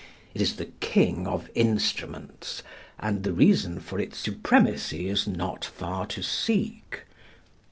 It is the king of instruments, and the reason for its supremacy is not far to seek.